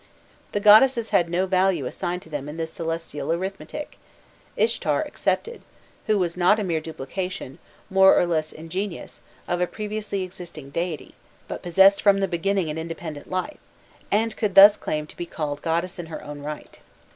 The goddesses had no value assigned to them in this celestial arithmetic, Ishtar excepted, who was not a mere duplication, more or less ingenious, of a previously existing deity, but possessed from the beginning an independent life, and could thus claim to be called goddess in her own right.